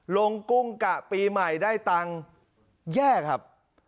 กุ้งกะปีใหม่ได้ตังค์แย่ครับ